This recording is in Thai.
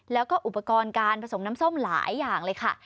แล้วก็อุปกรณ์การผสมน้ำส้มหลายอย่างเลยค่ะ